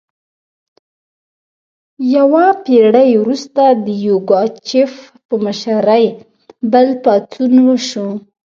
یوه پیړۍ وروسته د یوګاچف په مشرۍ بل پاڅون وشو.